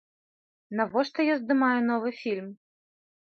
Навошта я здымаю новы фільм?